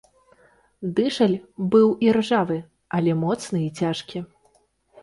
Дышаль быў іржавы, але моцны і цяжкі.